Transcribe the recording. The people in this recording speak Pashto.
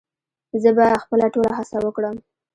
زه به خپله ټوله هڅه وکړم